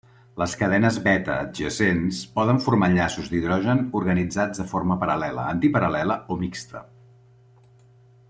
Les cadenes beta adjacents poden formar enllaços d’hidrogen organitzats de forma paral·lela, antiparal·lela o mixta.